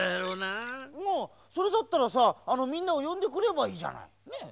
あっそれだったらさあのみんなをよんでくればいいじゃないねえ！